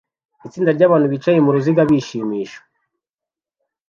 Itsinda ryabantu bicaye muruziga bishimisha